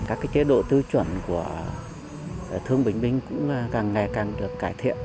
các chế độ tư chuẩn của thương bình binh cũng càng ngày càng được cải thiện